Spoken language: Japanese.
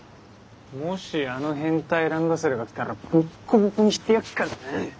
もしあの変態ランドセルが来たらボッコボコにしてやっからな。